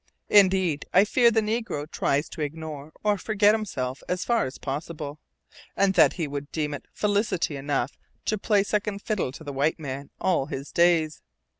Indeed, I fear the negro tries to ignore or forget himself as far as possible, and that he would deem it felicity enough to play second fiddle to the white man all his days.